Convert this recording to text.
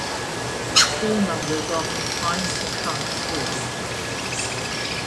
All numbers are from time at current school.